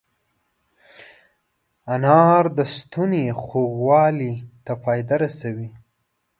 انار د ستوني خوږوالي ته فایده رسوي.